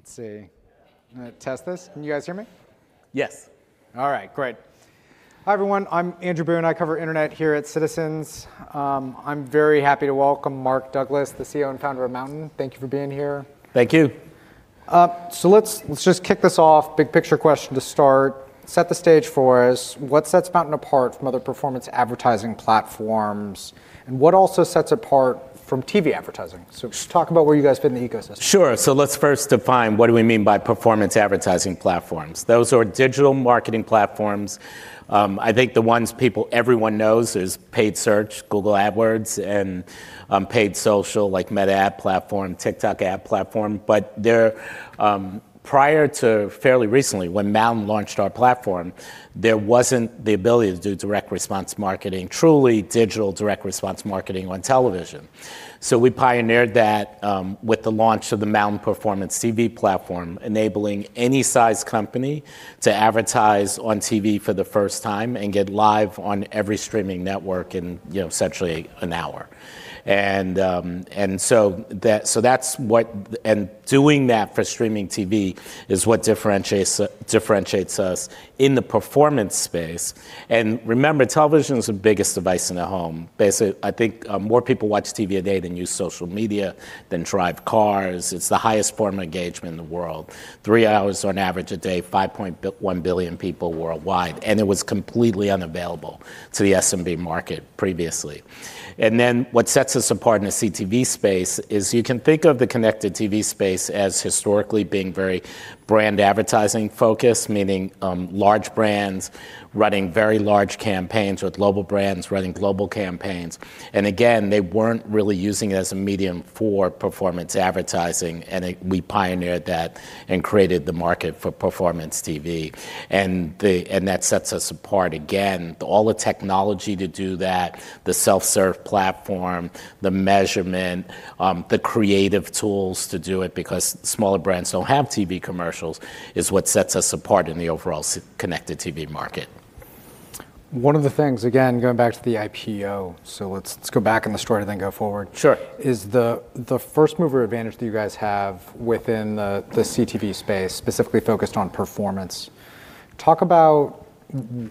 Let's see. I'm gonna test this. Can you guys hear me? Yes. All right, great. Hi, everyone. I'm Andrew Boone. I cover internet here at Citizens. I'm very happy to welcome Mark Douglas, the CEO and Founder of MNTN. Thank you for being here. Thank you. Let's just kick this off. Big picture question to start. Set the stage for us. What sets MNTN apart from other performance advertising platforms, and what also sets it apart from TV advertising? Talk about where you guys fit in the ecosystem. Sure. Let's first define what do we mean by performance advertising platforms. Those are digital marketing platforms. I think the ones people everyone knows is paid search, Google AdWords, and paid social, like Meta app platform, TikTok app platform. There, prior to fairly recently, when MNTN launched our platform, there wasn't the ability to do direct response marketing, truly digital direct response marketing on television. We pioneered that, with the launch of the MNTN Performance TV platform, enabling any size company to advertise on TV for the first time and get live on every streaming network in, you know, essentially an hour. Doing that for streaming TV is what differentiates us in the performance space. Remember, television's the biggest device in the home. Basic I think more people watch TV a day than use social media, than drive cars. It's the highest form of engagement in the world. Three hours on average a day, 5.1 billion people worldwide, it was completely unavailable to the SMB market previously. What sets us apart in the CTV space is you can think of the connected TV space as historically being very brand advertising-focused, meaning large brands running very large campaigns with global brands running global campaigns. They weren't really using it as a medium for performance advertising, and we pioneered that and created the market for Performance TV. That sets us apart again. All the technology to do that, the self-serve platform, the measurement, the creative tools to do it because smaller brands don't have TV commercials, is what sets us apart in the overall connected TV market. One of the things, again, going back to the IPO, so let's go back in the story, then go forward. Sure Is the first mover advantage that you guys have within the CTV space, specifically focused on performance. Talk about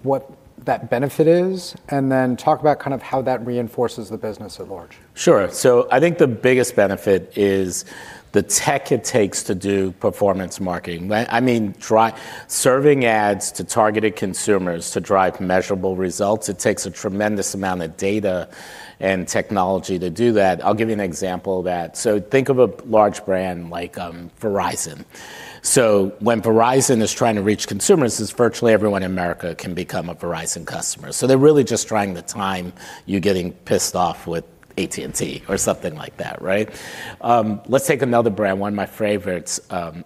what that benefit is, and then talk about kind of how that reinforces the business at large. Sure. I think the biggest benefit is the tech it takes to do performance marketing. I mean, serving ads to targeted consumers to drive measurable results, it takes a tremendous amount of data and technology to do that. I'll give you an example of that. Think of a large brand like Verizon. When Verizon is trying to reach consumers, since virtually everyone in America can become a Verizon customer, so they're really just trying to time you getting pissed off with AT&T or something like that, right? Let's take another brand, one of my favorites,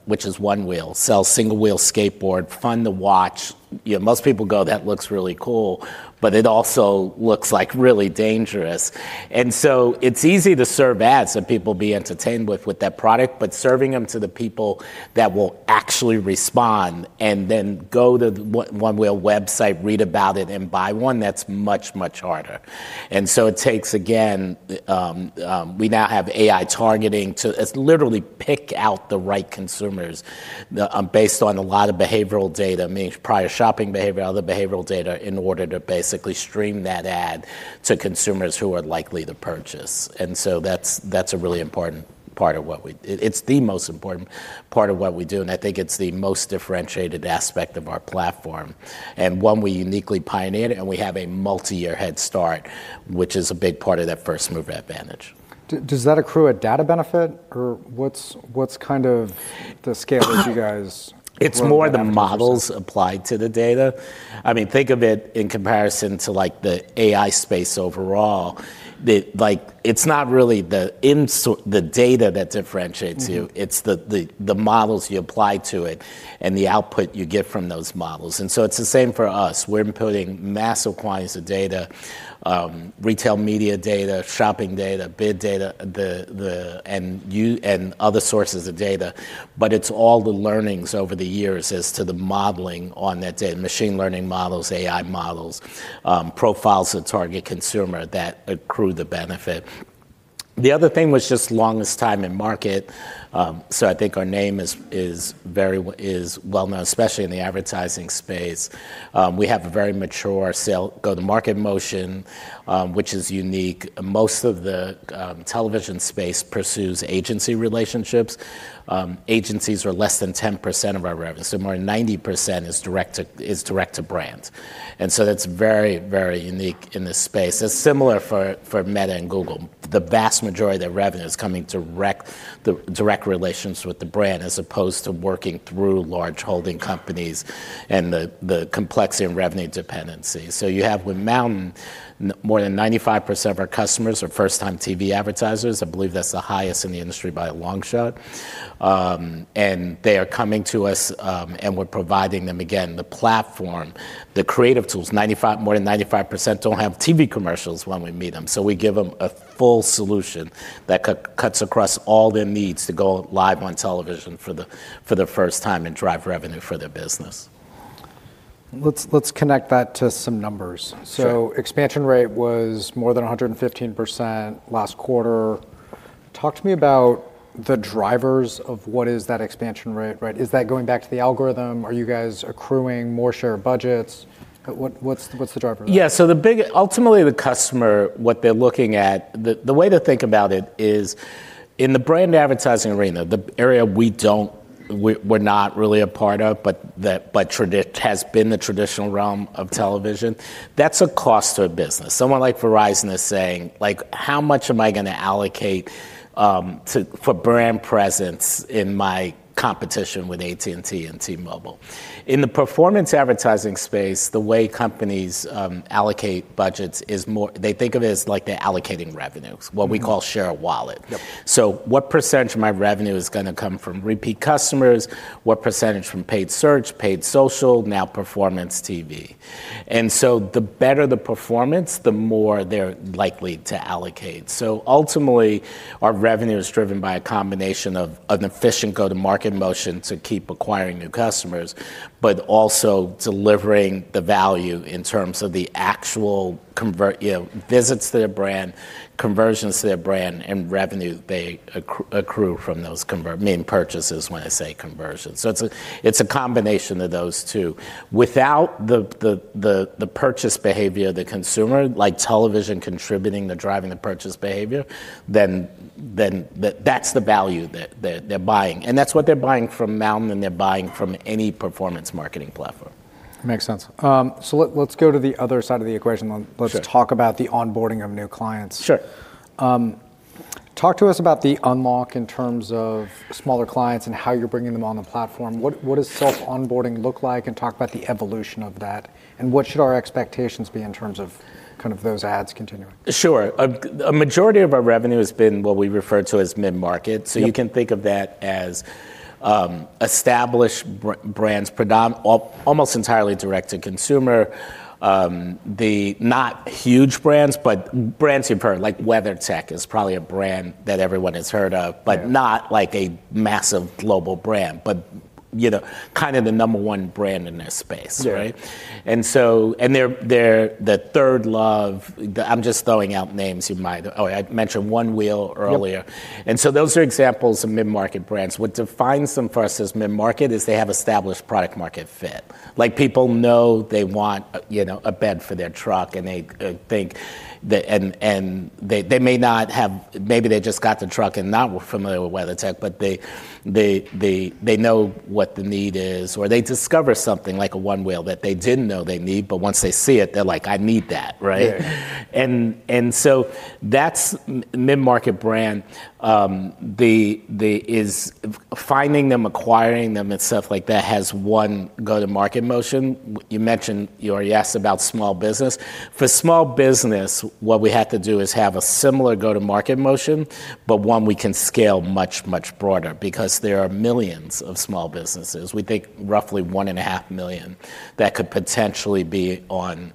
which is Onewheel. Sells single-wheel skateboard, fun to watch. You know, most people go, "That looks really cool," but it also looks, like, really dangerous. It's easy to serve ads that people be entertained with that product, but serving them to the people that will actually respond and then go to the Onewheel website, read about it, and buy one, that's much, much harder. It takes, again, we now have AI targeting to just literally pick out the right consumers, based on a lot of behavioral data, means prior shopping behavior, other behavioral data, in order to basically stream that ad to consumers who are likely to purchase. That's a really important part of what we do. It's the most important part of what we do, and I think it's the most differentiated aspect of our platform. One we uniquely pioneered, and we have a multi-year head start, which is a big part of that first-mover advantage. Does that accrue a data benefit, or what's kind of the scale that you guys? It's more the models applied to the data. I mean, think of it in comparison to, like, the AI space overall. The, like, it's not really the data that differentiates you, it's the models you apply to it and the output you get from those models. It's the same for us. We're inputting massive quantities of data, retail media data, shopping data, bid data, and other sources of data, but it's all the learnings over the years as to the modeling on that data, machine learning models, AI models, profiles of target consumer that accrue the benefit. The other thing was just longest time in market. I think our name is very well-known, especially in the advertising space. We have a very mature sale, go-to-market motion, which is unique. Most of the television space pursues agency relationships. Agencies are less than 10% of our revenue, so more than 90% is direct to brands. That's very, very unique in this space. It's similar for Meta and Google. The vast majority of their revenue is coming direct relations with the brand as opposed to working through large holding companies and the complexity and revenue dependency. You have with MNTN, more than 95% of our customers are first-time TV advertisers. I believe that's the highest in the industry by a long shot. They are coming to us, and we're providing them, again, the platform, the creative tools. More than 95% don't have TV commercials when we meet them, so we give them a full solution that cuts across all their needs to go live on television for the first time and drive revenue for their business. Let's connect that to some numbers. Expansion rate was more than 115% last quarter. Talk to me about the drivers of what is that expansion rate, right? Is that going back to the algorithm? Are you guys accruing more share of budgets? What's the driver? Ultimately, the customer, what they're looking at. The way to think about it is in the brand advertising arena, the area we're not really a part of, but has been the traditional realm of television, that's a cost to a business. Someone like Verizon is saying, like: "How much am I gonna allocate for brand presence in my competition with AT&T and T-Mobile?" In the performance advertising space, the way companies allocate budgets is more, they think of it as like they're allocating revenue, what we call share of wallet. What percentage of my revenue is gonna come from repeat customers? What percentage from paid search, paid social, now Performance TV? The better the performance, the more they're likely to allocate. Ultimately, our revenue is driven by a combination of an efficient go-to-market motion to keep acquiring new customers, but also delivering the value in terms of the actual convert, you know, visits to their brand, conversions to their brand, and revenue they accrue from those, I mean, purchases when I say conversions. It's a combination of those two. Without the purchase behavior of the consumer, like television contributing to driving the purchase behavior, then that's the value that they're buying, and that's what they're buying from MNTN, and they're buying from any performance marketing platform. Makes sense. Let's go to the other side of the equation. Let's talk about the onboarding of new clients. Talk to us about the unlock in terms of smaller clients and how you're bringing them on the platform. What does self-onboarding look like? Talk about the evolution of that, and what should our expectations be in terms of kind of those ads continuing? Sure. A majority of our revenue has been what we refer to as mid-market. You can think of that as, established brands almost entirely direct to consumer. The not huge brands, but brands you've heard. Like WeatherTech is probably a brand that everyone has heard of, but not, like, a massive global brand. You know, kind of the number one brand in their space, right? They're the ThirdLove. I'm just throwing out names. Oh, I mentioned Onewheel earlier. Those are examples of mid-market brands. What defines them for us as mid-market is they have established product market fit. Like, people know they want a, you know, a bed for their truck, and maybe they just got the truck and not familiar with WeatherTech, but they know what the need is, or they discover something like a Onewheel that they didn't know they need, but once they see it, they're like, "I need that," right? That's mid-market brand. Finding them, acquiring them, and stuff like that has one go-to-market motion. You mentioned, you already asked about small business. For small business, what we have to do is have a similar go-to-market motion, but one we can scale much, much broader because there are millions of small businesses. We think roughly 1.5 million that could potentially be on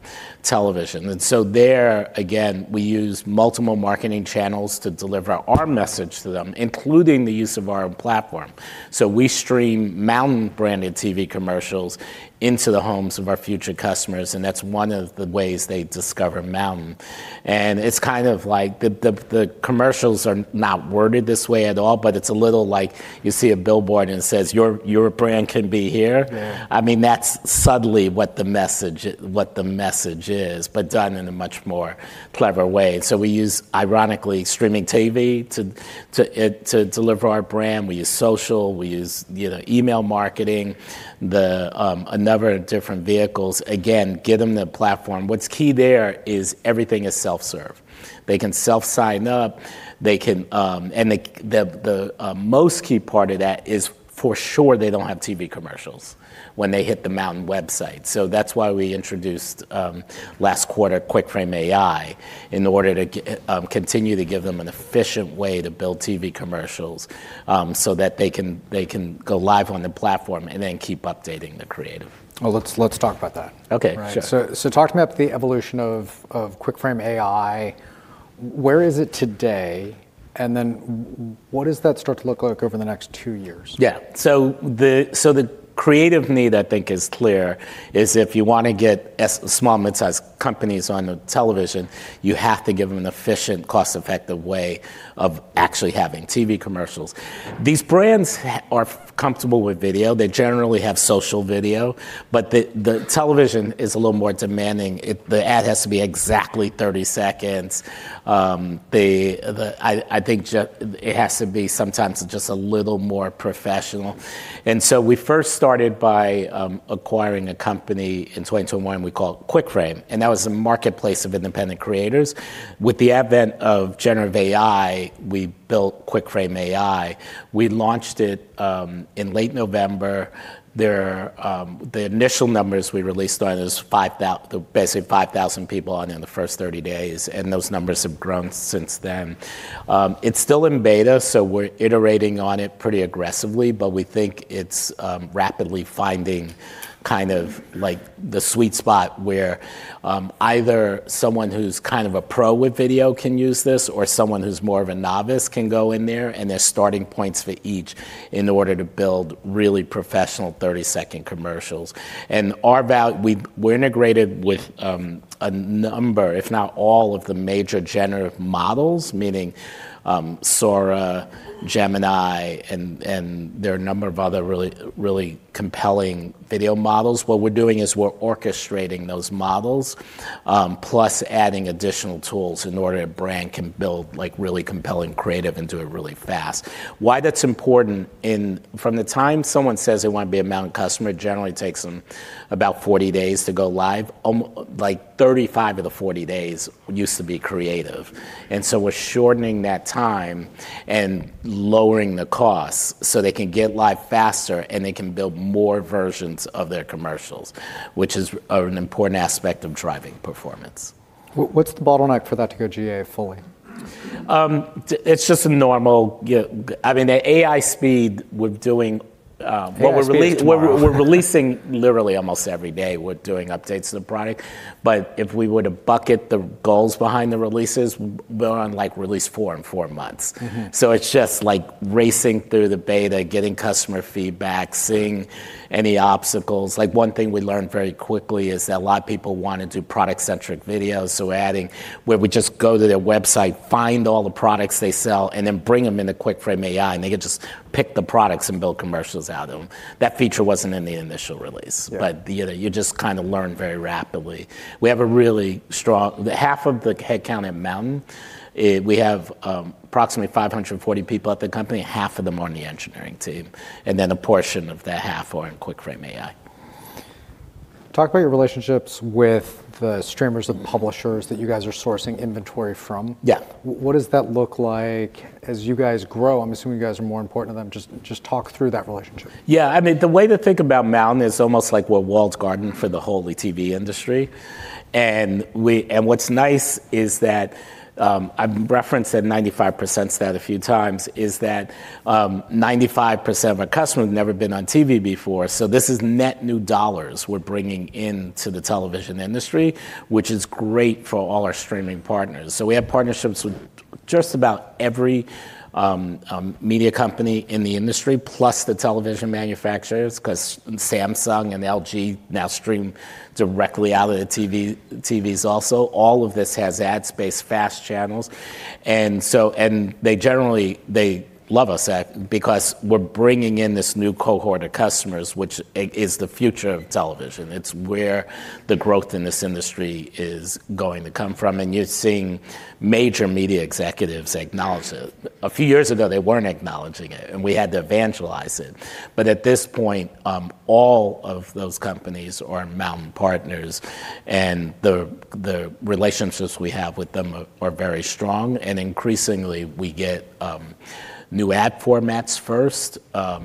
television. There, again, we use multiple marketing channels to deliver our message to them, including the use of our platform. We stream MNTN-branded TV commercials into the homes of our future customers, and that's one of the ways they discover MNTN. It's kind of like the commercials are not worded this way at all, but it's a little like you see a billboard and it says, "Your brand can be here. I mean, that's subtly what the message is. Done in a much more clever way. We use, ironically, streaming TV to deliver our brand. We use social. We use, you know, email marketing. A number of different vehicles. Again, give them the platform. What's key there is everything is self-serve. They can self-sign up. The most key part of that is for sure they don't have TV commercials when they hit the MNTN website. That's why we introduced last quarter QuickFrame AI in order to continue to give them an efficient way to build TV commercials so that they can go live on the platform and then keep updating the creative. Well, let's talk about that. Okay. Sure. Right. Talk to me about the evolution of QuickFrame AI. Where is it today? What does that start to look like over the next two years? Yeah. The creative need I think is clear, is if you wanna get small and midsize companies on the television, you have to give them an efficient, cost-effective way of actually having TV commercials. These brands are comfortable with video. They generally have social video, but the television is a little more demanding. The ad has to be exactly 30 seconds. I think it has to be sometimes just a little more professional. We first started by acquiring a company in 2021 we call QuickFrame, and that was a marketplace of independent creators. With the advent of generative AI, we built QuickFrame AI. We launched it in late November. There, the initial numbers we released on it was basically 5,000 people on in the first 30 days. Those numbers have grown since then. It's still in beta, so we're iterating on it pretty aggressively, but we think it's rapidly finding kind of like the sweet spot where either someone who's kind of a pro with video can use this or someone who's more of a novice can go in there. There's starting points for each in order to build really professional 30-second commercials. Our We've, we're integrated with a number, if not all, of the major generative models, meaning Sora, Gemini, and there are a number of other really, really compelling video models. What we're doing is we're orchestrating those models, plus adding additional tools in order a brand can build, like, really compelling creative and do it really fast. Why that's important in, from the time someone says they wanna be a MNTN customer, it generally takes them about 40 days to go live. Like, 35 of the 40 days used to be creative. We're shortening that time and lowering the cost so they can get live faster, and they can build more versions of their commercials, which is, are an important aspect of driving performance. What's the bottleneck for that to go GA fully? It's just a normal I mean, at AI speed, we're doing. AI speed tomorrow. What we're releasing literally almost every day. We're doing updates to the product. If we were to bucket the goals behind the releases, we're on, like, release four in four months. It's just, like, racing through the beta, getting customer feedback, seeing any obstacles. Like, one thing we learned very quickly is that a lot of people wanna do product-centric videos, so adding where we just go to their website, find all the products they sell, and then bring them into QuickFrame AI, and they can just pick the products and build commercials out of them. That feature wasn't in the initial release. But you know, you just kinda learn very rapidly. The half of the headcount at MNTN we have approximately 540 people at the company. Half of them are on the engineering team, a portion of that half are in QuickFrame AI. Talk about your relationships with the streamers and the publishers that you guys are sourcing inventory from. Yeah. What does that look like, as you guys grow, I'm assuming you guys are more important to them. Just talk through that relationship. Yeah. I mean, the way to think about MNTN is almost like we're walled garden for the whole TV industry. What's nice is that I've referenced that 95% stat a few times, is that 95% of our customers have never been on TV before. This is net new dollars we're bringing into the television industry, which is great for all our streaming partners. We have partnerships with just about every media company in the industry, plus the television manufacturers, 'cause Samsung and LG now stream directly out of the TVs also. All of this has ad space, FAST channels. They generally, they love us because we're bringing in this new cohort of customers, which is the future of television. It's where the growth in this industry is going to come from. You're seeing major media executives acknowledge it. A few years ago, they weren't acknowledging it. We had to evangelize it. At this point, all of those companies are MNTN partners. The relationships we have with them are very strong. Increasingly, we get new ad formats first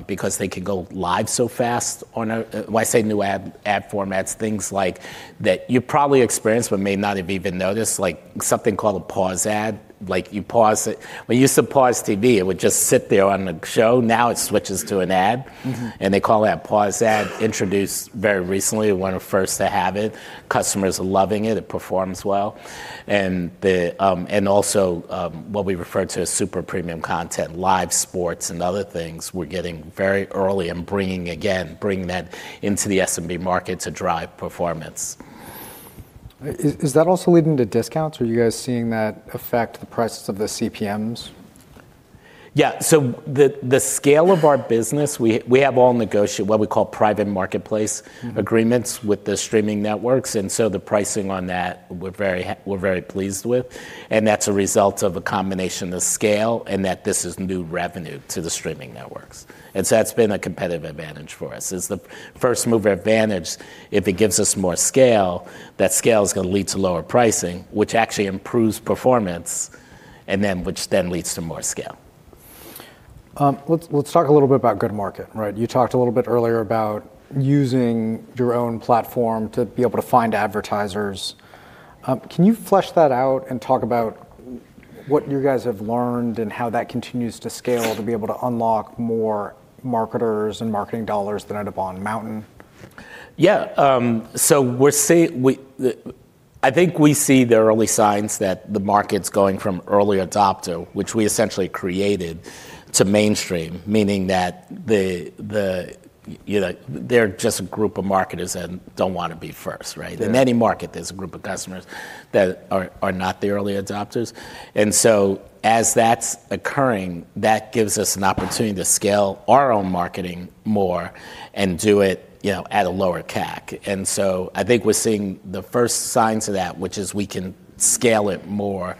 because they can go live so fast. When I say new ad formats, things like that you probably experienced but may not have even noticed, like something called a Pause Ads. Like, you pause it. When you used to pause TV, it would just sit there on the show. Now it switches to an ad and they call that Pause Ads, introduced very recently. We're one of the first to have it. Customers are loving it. It performs well. Also, what we refer to as super premium content, live sports and other things, we're getting very early and bringing, again, bringing that into the SMB market to drive performance. Is that also leading to discounts? Are you guys seeing that affect the prices of the CPMs? Yeah. The scale of our business, we have all what we call private marketplace agreements with the streaming networks. The pricing on that, we're very pleased with, and that's a result of a combination of scale and that this is new revenue to the streaming networks. That's been a competitive advantage for us. It's the first-mover advantage. If it gives us more scale, that scale is gonna lead to lower pricing, which actually improves performance, and then which then leads to more scale. Let's talk a little bit about go-to-market, right? You talked a little bit earlier about using your own platform to be able to find advertisers. Can you flesh that out and talk about what you guys have learned and how that continues to scale to be able to unlock more marketers and marketing dollars that end up on MNTN? Yeah. I think we see the early signs that the market's going from early adopter, which we essentially created, to mainstream, meaning that the, you know, they're just a group of marketers that don't wanna be first, right? In any market, there's a group of customers that are not the early adopters. As that's occurring, that gives us an opportunity to scale our own marketing more and do it, you know, at a lower CAC. I think we're seeing the first signs of that, which is we can scale it more.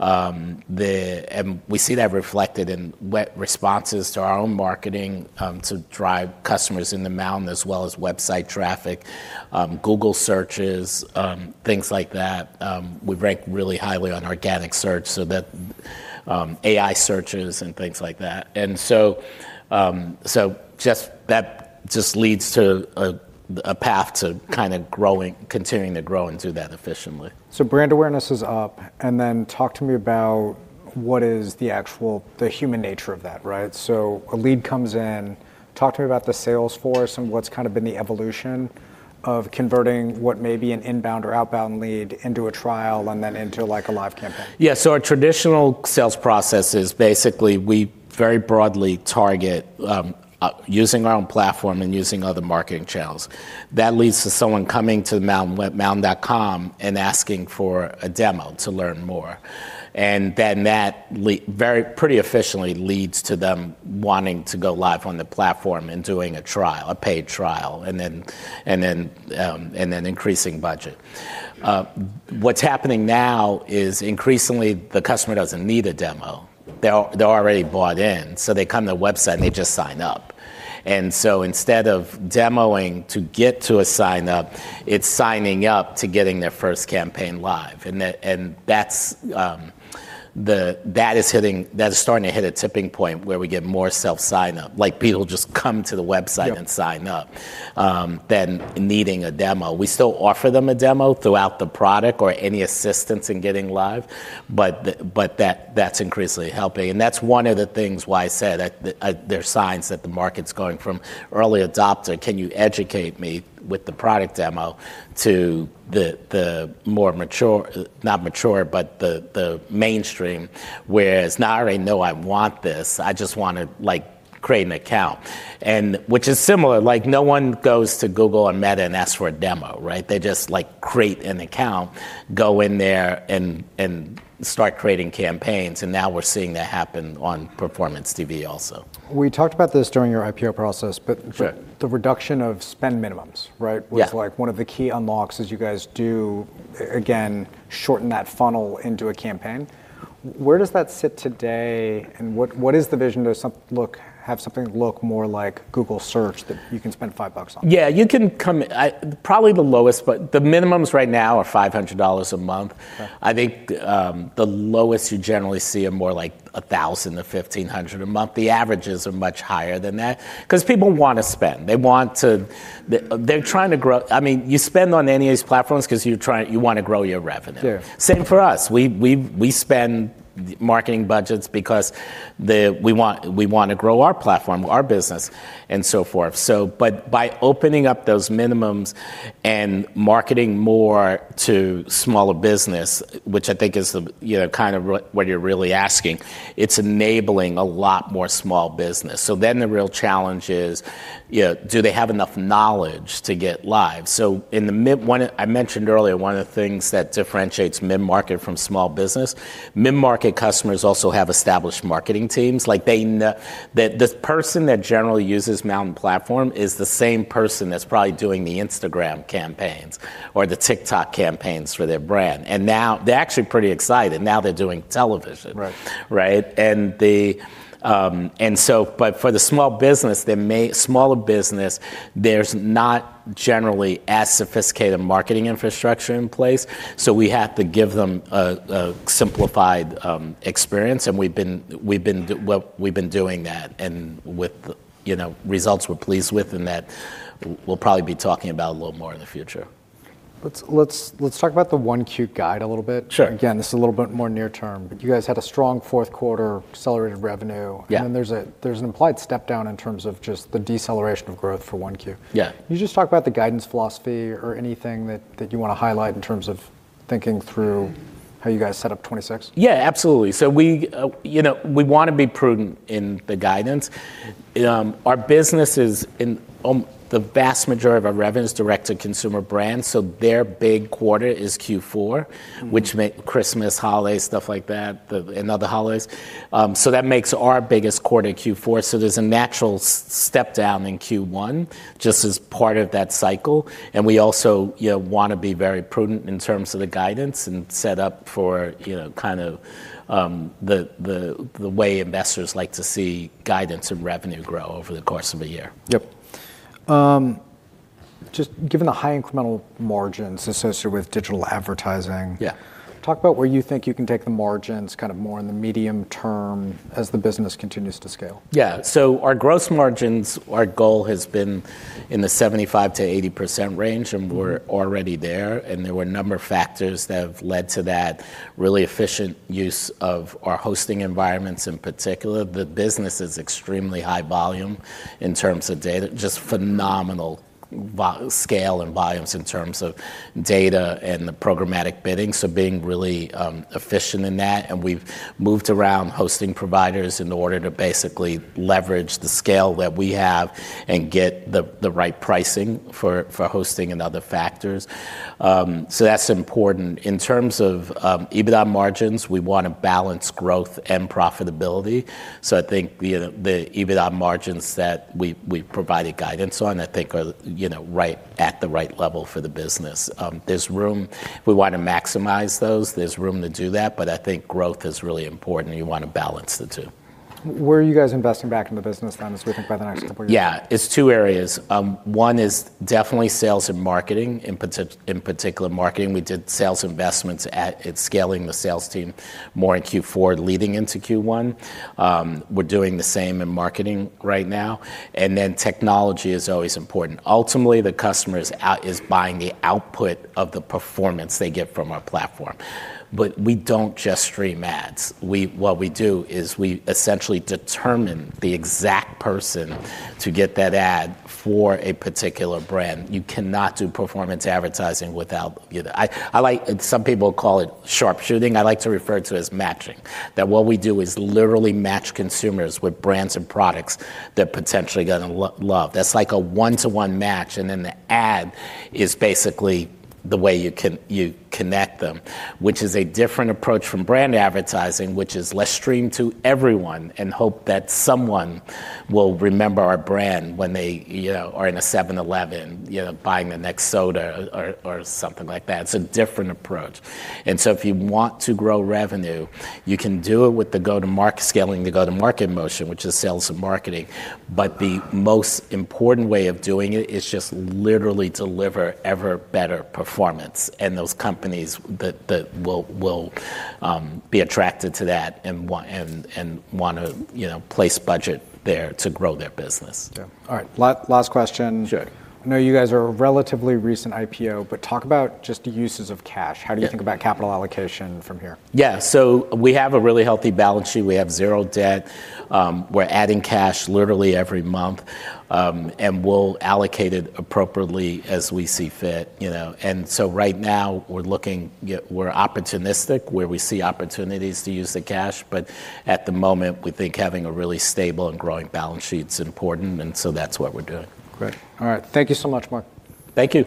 We see that reflected in web responses to our own marketing to drive customers into MNTN as well as website traffic, Google searches, things like that. We rank really highly on organic search so that AI searches and things like that. That just leads to a path to kinda growing, continuing to grow and do that efficiently. Brand awareness is up, talk to me about what is the actual, the human nature of that, right? A lead comes in. Talk to me about the sales force and what's kind of been the evolution of converting what may be an inbound or outbound lead into a trial and then into, like, a live campaign. Yeah. Our traditional sales process is basically we very broadly target, using our own platform and using other marketing channels. That leads to someone coming to mntn.com and asking for a demo to learn more. That very, pretty efficiently leads to them wanting to go live on the platform and doing a trial, a paid trial, and then increasing budget. What's happening now is increasingly the customer doesn't need a demo. They're already bought in, so they come to the website and they just sign up. Instead of demoing to get to a sign-up, it's signing up to getting their first campaign live, and that is starting to hit a tipping point where we get more self-sign up, like people just come to the website and sign up than needing a demo. We still offer them a demo throughout the product or any assistance in getting live, but that's increasingly helping. That's one of the things why I said that there's signs that the market's going from early adopter, can you educate me with the product demo, to the more mature, not mature, but the mainstream, where it's now I already know I want this, I just wanna, like, create an account. Which is similar, like, no one goes to Google or Meta and asks for a demo, right? They just, like, create an account, go in there, and start creating campaigns. Now we're seeing that happen on Performance TV also. We talked about this during your IPO process. The reduction of spend minimums, right? Yeah. Was like one of the key unlocks as you guys do, again, shorten that funnel into a campaign. Where does that sit today, and what is the vision to have something look more like Google Search that you can spend $5 on? Yeah, probably the lowest, but the minimums right now are $500 a month. I think, the lowest you generally see are more like $1,000-$1,500 a month. The averages are much higher than that 'cause people wanna spend. They want to. They're trying to grow. I mean, you spend on any of these platforms 'cause you're trying, you wanna grow your revenue. Same for us. We spend marketing budgets because we wanna grow our platform, our business, and so forth. But by opening up those minimums and marketing more to smaller business, which I think is, you know, kind of what you're really asking, it's enabling a lot more small business. The real challenge is, you know, do they have enough knowledge to get live? One of, I mentioned earlier, one of the things that differentiates mid-market from small business, mid-market customers also have established marketing teams, like the person that generally uses MNTN platform is the same person that's probably doing the Instagram campaigns or the TikTok campaigns for their brand. Now they're actually pretty excited. Now they're doing television. Right? For the small business, the smaller business, there's not generally as sophisticated marketing infrastructure in place, so we have to give them a simplified experience and we've been doing that and with, you know, results we're pleased with and that we'll probably be talking about a little more in the future. Let's talk about the 1Q guide a little bit. Sure. This is a little bit more near term, but you guys had a strong fourth quarter, accelerated revenue. Yeah. There's an implied step down in terms of just the deceleration of growth for 1Q. Yeah. Can you just talk about the guidance philosophy or anything that you wanna highlight in terms of thinking through how you guys set up 2026? Yeah, absolutely. We, you know, we wanna be prudent in the guidance. Our business is, the vast majority of our revenue is direct-to-consumer brands. Their big quarter is Q4 which Christmas, holidays, stuff like that, and other holidays. That makes our biggest quarter Q4, so there's a natural step down in Q1 just as part of that cycle. We also, you know, wanna be very prudent in terms of the guidance and set up for, you know, kind of, the way investors like to see guidance and revenue grow over the course of a year. Yep. just given the high incremental margins associated with digital advertising, talk about where you think you can take the margins kind of more in the medium term as the business continues to scale. Yeah. Our gross margins, our goal has been in the 75%-80% range, and we're already there, and there were a number of factors that have led to that really efficient use of our hosting environments in particular. The business is extremely high volume in terms of data, just phenomenal scale and volumes in terms of data and the programmatic bidding, so being really efficient in that. We've moved around hosting providers in order to basically leverage the scale that we have and get the right pricing for hosting and other factors. That's important. In terms of EBITDA margins, we wanna balance growth and profitability, so I think, you know, the EBITDA margins that we provided guidance on I think are, you know, right, at the right level for the business. There's room. e want to maximize those. There's room to do that. I think growth is really important, and you wanna balance the two. Where are you guys investing back in the business then as we think about the next couple years? Yeah. It's two areas. One is definitely sales and marketing, in particular marketing. We did sales investments at scaling the sales team more in Q4 leading into Q1. We're doing the same in marketing right now. Technology is always important. Ultimately, the customer is buying the output of the performance they get from our platform, we don't just stream ads. What we do is we essentially determine the exact person to get that ad for a particular brand. You cannot do performance advertising without, you know, I like, and some people call it sharpshooting. I like to refer to it as matching. What we do is literally match consumers with brands and products they're potentially gonna love. That's like a one-to-one match, and then the ad is basically the way you can, you connect them, which is a different approach from brand advertising, which is let's stream to everyone and hope that someone will remember our brand when they, you know, are in a 7-Eleven, you know, buying their next soda or something like that. It's a different approach. If you want to grow revenue, you can do it with scaling the go-to-market motion, which is sales and marketing. The most important way of doing it is just literally deliver ever better performance and those companies that will be attracted to that and wanna, you know, place budget there to grow their business. Yeah. All right. Last question. Sure. I know you guys are a relatively recent IPO, but talk about just the uses of cash. How do you think about capital allocation from here? Yeah. We have a really healthy balance sheet. We have zero debt. We're adding cash literally every month. We'll allocate it appropriately as we see fit, you know? Right now we're looking, you know, we're opportunistic, where we see opportunities to use the cash, but at the moment, we think having a really stable and growing balance sheet's important, that's what we're doing. Great. All right. Thank you so much, Mark. Thank you.